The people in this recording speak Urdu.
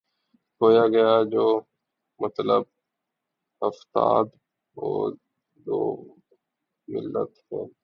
کھویا گیا جو مطلب ہفتاد و دو ملت میں